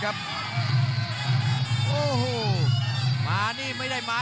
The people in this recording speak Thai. กรรมการเตือนทั้งคู่ครับ๖๖กิโลกรัม